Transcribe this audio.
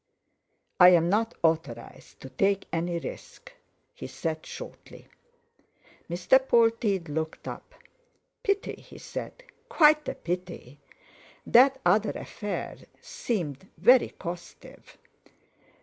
"I'm not authorised to take any risk!" he said shortly. Mr. Polteed looked up. "Pity," he said, "quite a pity! That other affair seemed very costive."